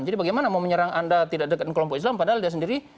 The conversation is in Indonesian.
jadi bagaimana mau menyerang anda tidak dekat dengan kelompok islam padahal dia sendiri